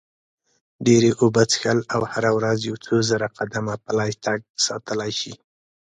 ډېرې اوبه څښل او هره ورځ یو څو زره قدمه پلی تګ ساتلی شي.